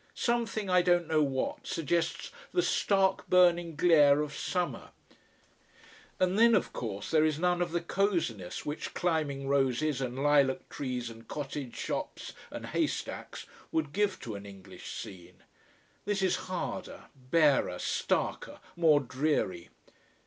Something, I don't know what, suggests the stark burning glare of summer. And then, of course, there is none of the cosiness which climbing roses and lilac trees and cottage shops and haystacks would give to an English scene. This is harder, barer, starker, more dreary.